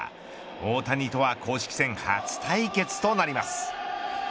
大谷とは公式戦初対決となります。